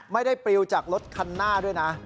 ไม่ได้ปริวจากรถคันหน้าด้วยนะ